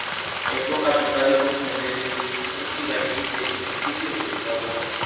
এর প্রকাশক দাবি করেছেন যে, পত্রিকাটি দেশের তৃতীয় বৃহত্তম প্রচার ছিল।